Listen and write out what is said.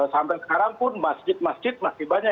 sampai sekarang pun masjid masjid masih banyak